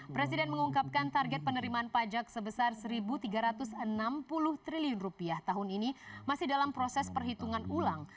presiden mengungkapkan target penerimaan pajak sebesar rp satu tiga ratus enam puluh triliun tahun ini masih dalam proses perhitungan ulang